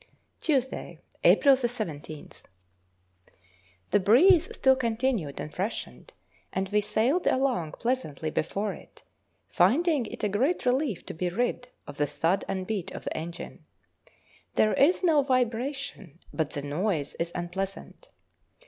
_ Tuesday, April 17th. The breeze still continued and freshened, and we sailed along pleasantly before it, finding it a great relief to be rid of the thud and beat of the engine. There is no vibration, but the noise is unpleasant.